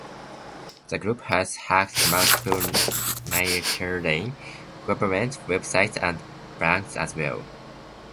The group has hacked multiple Nigerian government websites and banks as well.